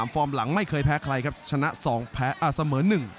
ฟอร์มหลังไม่เคยแพ้ใครครับชนะเสมอ๑